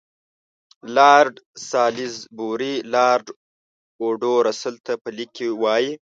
لارډ سالیزبوري لارډ اوډو رسل ته په لیک کې وایي.